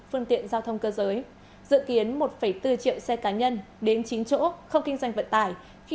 phương tiện giao thông cơ giới dự kiến một bốn triệu xe cá nhân đến chín chỗ không kinh doanh vận tải khi